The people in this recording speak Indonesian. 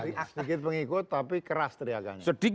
sedikit pengikut tapi keras teriakan